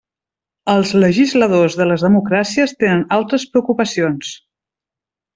Els legisladors de les democràcies tenen altres preocupacions.